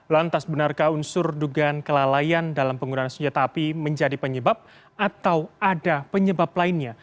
lantas benarkah unsur dugaan kelalaian dalam penggunaan senjata api menjadi penyebab atau ada penyebab lainnya